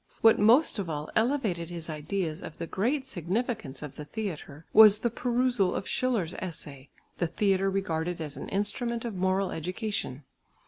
What most of all elevated his ideas of the great significance of the theatre was the perusal of Schiller's essay, "The theatre regarded as an instrument of moral education."